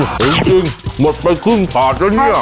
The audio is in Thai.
เห็นจริงหมดไปกึ้งขาดนะเนี้ย